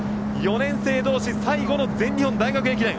４年生同士最後の全日本大学駅伝。